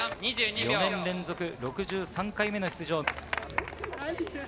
４年連続６３回目の出場。